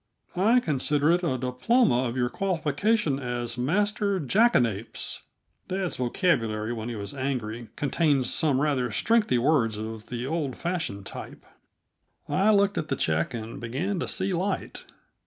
I consider it a diploma of your qualification as Master Jackanapes." (Dad's vocabulary, when he is angry, contains some rather strengthy words of the old fashioned type.) I looked at the check and began to see light.